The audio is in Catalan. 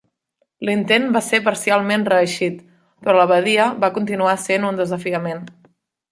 L'intent va ser parcialment reeixit, però la badia va continuar sent un desafiament.